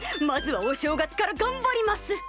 まずはお正月からがんばります！